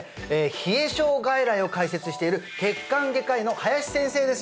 冷え症外来を開設している血管外科医の林先生です